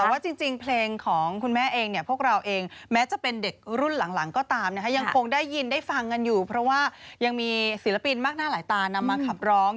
แต่ว่าจริงเพลงของคุณแม่เองเนี่ยพวกเราเองแม้จะเป็นเด็กรุ่นหลังก็ตามนะคะยังคงได้ยินได้ฟังกันอยู่เพราะว่ายังมีศิลปินมากหน้าหลายตานำมาขับร้อง